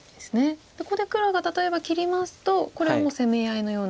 ここで黒が例えば切りますとこれはもう攻め合いのような。